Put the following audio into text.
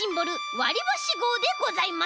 わりばしごうでございます。